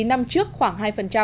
năm trước khoảng hai